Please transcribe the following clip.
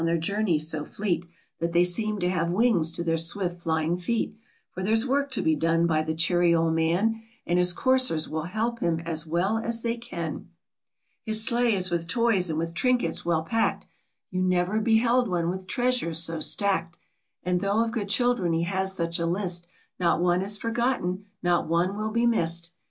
H is steeds speed away on their journey so fleet, That they seem to have wings to their swift flying feet, For there's work to be done by the cheery old man, And his coursers will help him as well as they can. 18 WHERE SANTA CLAUS LIVES , AND WHAT HE DOES. His sleigh is with toys and with trinkets well packed, You never beheld one with treasures so stacked ; And though of good children he has such a list Not one is forgotten; not one will be missed.